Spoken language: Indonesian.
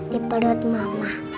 di perut mama